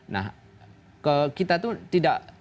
nah kita tuh tidak